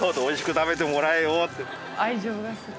おいしく食べてもらえよって。